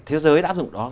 thế giới đã áp dụng đó